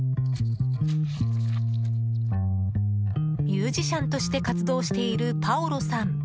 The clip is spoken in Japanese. ミュージシャンとして活動しているパオロさん。